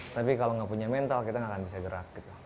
tapi kalau nggak punya mental kita gak akan bisa gerak gitu